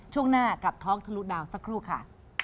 ช่วงหน้ากับท็อกทะลุดาวสักครู่ค่ะ